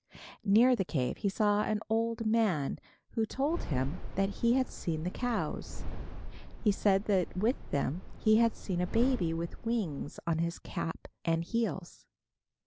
Near the cave he saw an old man who told him that he had seen the cows. He said that with them he had seen a baby with wings on his cap and heels.